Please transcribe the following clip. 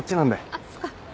あっそっか。